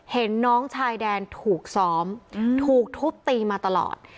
เห็นน้องชายแดนถูกซ้อมถูกทุบตีมาตลอด